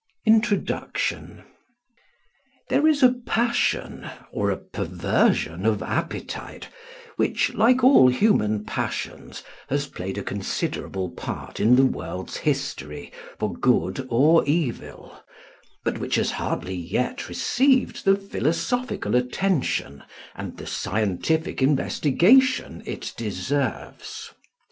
INTRODUCTION. There is a passion, or a perversion of appetite, which, like all human passions, has played a considerable part in the world's history for good or evil; but which has hardly yet received the philosophical attention and the scientific investigation it deserves.